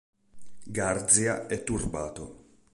Garzia è turbato.